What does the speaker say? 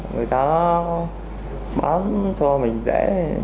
người ta bán cho mình dễ